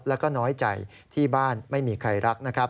แล้วก็น้อยใจที่บ้านไม่มีใครรักนะครับ